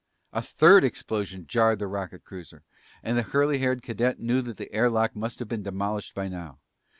A third explosion jarred the rocket cruiser and the curly haired cadet knew that the air lock must have been demolished by now.